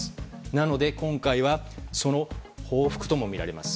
なので、今回はその報復ともみられます。